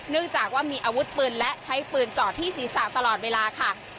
จากว่ามีอาวุธปืนและใช้ปืนจอดที่ศีรษะตลอดเวลาค่ะ